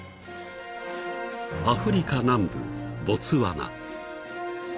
［アフリカ南部ボツワナ］